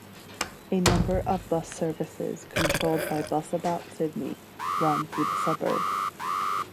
A number of bus services controlled by Busabout Sydney run through the suburb.